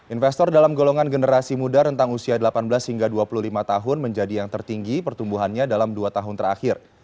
investor dalam golongan generasi muda rentang usia delapan belas hingga dua puluh lima tahun menjadi yang tertinggi pertumbuhannya dalam dua tahun terakhir